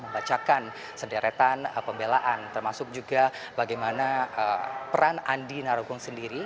membacakan sederetan pembelaan termasuk juga bagaimana peran andi narogong sendiri